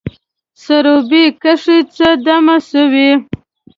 سروبي کښي څه دمه سوو